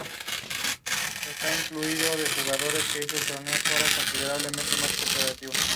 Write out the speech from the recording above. Las jóvenes fueron llevadas a las afueras del caserío para ser violadas.